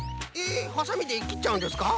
えっはさみできっちゃうんですか？